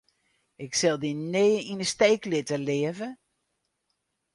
Ik sil dy nea yn 'e steek litte, leave.